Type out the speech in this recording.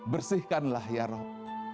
bersihkanlah ya rab